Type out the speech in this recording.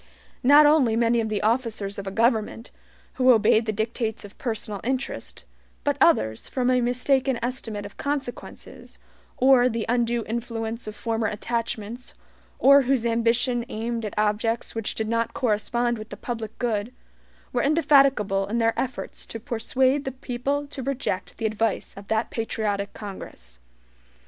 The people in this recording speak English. Not only many of the officers of government, who obeyed the dictates of personal interest, but others, from a mistaken estimate of consequences, or the undue influence of former attachments, or whose ambition aimed at objects which did not correspond with the public good, were indefatigable in their efforts to persuade the people to reject the advice of that patriotic Congress.